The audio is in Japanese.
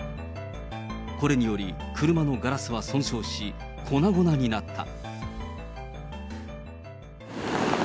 これにより、車のガラスは損傷し、粉々になった。